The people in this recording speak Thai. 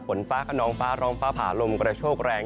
ฝนฟ้าขนองฟ้าร้องฟ้าผ่าลมกระโชกแรง